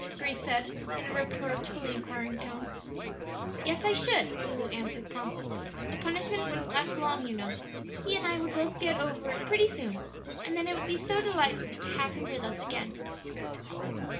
Grace said, in a reproachfully inquiring tone. "Yes, I should," Lulu answered, promptly; "the punishment wouldn't last long, you know; he and I would both get over it pretty soon, and then it would be so delightful to have him with us again."